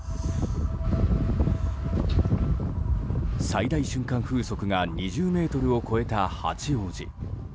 最大瞬間風速が２０メートルを超えた八王子。